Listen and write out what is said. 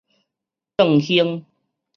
頓胸